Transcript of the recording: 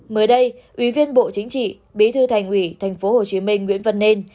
mới đây ủy viên bộ chính trị bí thư thành ủy thành phố hồ chí minh nguyễn văn nên